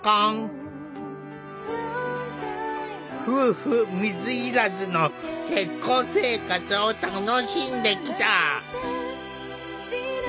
夫婦水入らずの結婚生活を楽しんできた。